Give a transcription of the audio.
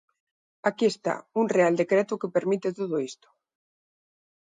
Aquí está: un real decreto que permite todo isto.